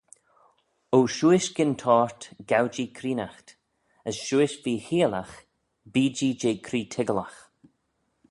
"O shiuish gyn-toyrt, gow-jee creenaght; as shiuish vee-cheeayllagh bee-jee jeh cree toiggalagh."